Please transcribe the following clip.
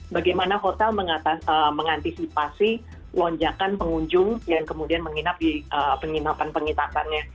bagaimana hotel mengantisipasi lonjakan pengunjung yang kemudian menginap di penginapan penginapannya